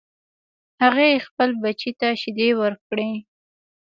هغې خپل بچی ته شیدې ورکړې